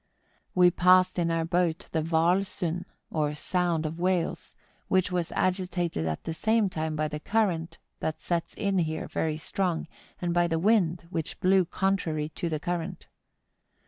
We passed in our boat the Whaal Sund, or Sound of Whales, which was agitated at the same time by the current that sets in here very strong, and by the wind, which blew con¬ trary to the current.